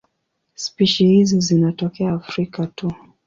Spishi hizi zinatokea Afrika tu.